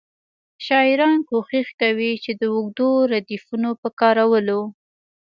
شاعران کوښښ کوي د اوږدو ردیفونو په کارولو.